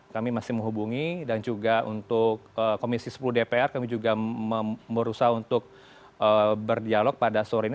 kami masih menghubungi dan juga untuk komisi sepuluh dpr kami juga berusaha untuk berdialog pada sore ini